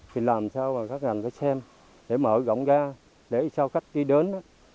thì làm sao mà các ngành phải xem để mở rộng ra để sao khách đi đến á